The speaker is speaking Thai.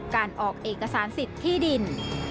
การออกเอกสารสิทธิ์ที่ดิน